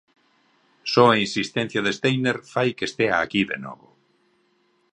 Só a insistencia de Steiner fai que estea aquí de novo.